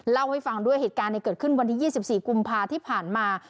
เล่าให้ฟังด้วยเหตุการณ์เกิดขึ้นวันที่๒๔กุมภาที่ผ่านมา